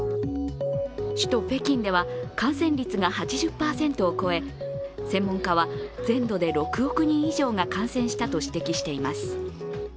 首都・北京では感染率が８０％を超え専門家は全土で６億人以上が感染したと指摘しています。